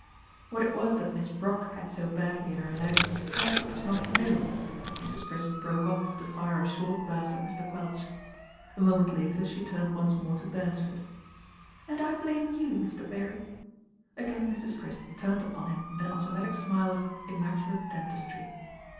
What it was that Miss Brock had so badly in her legs Bercsford was not to know, as Mrs. Crisp broke off to fire a short burst at Mr. Quelch. A moment later she turned once more to Beresford. "And I blame you, Mr. Berry." Again Mrs. Cnsp turned upon him an automatic smile of immac ulate dentistry.